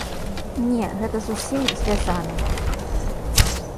Не, гэта з усім звязана.